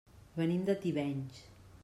Venim de Tivenys.